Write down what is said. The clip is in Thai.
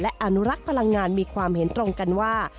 อนุรักษ์พลังงานมีความเห็นตรงกันว่า